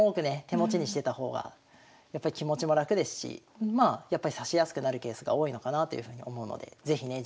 手持ちにしてた方がやっぱり気持ちも楽ですしやっぱり指しやすくなるケースが多いのかなというふうに思うので是非ね